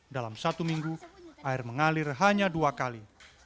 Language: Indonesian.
dalam satu minggu air mengalir hanya dua kali